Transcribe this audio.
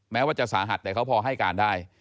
แม้ว่าจะสาหัสแต่เขาพอให้การได้